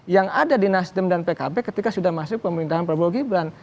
yang ada di nasdem dan pkb ketika sudah masuk pemerintahan prabowo gibran